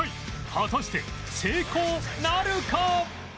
果たして成功なるか？